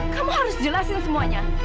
kamu harus jelasin semuanya